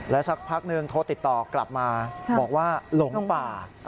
สักพักนึงโทรติดต่อกลับมาบอกว่าหลงป่า